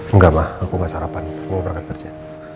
enggak ma aku gak sarapan kamu berangkat kerja